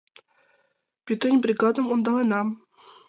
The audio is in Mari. Пӱтынь бригадым ондаленам!